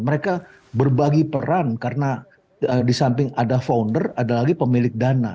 mereka berbagi peran karena di samping ada founder ada lagi pemilik dana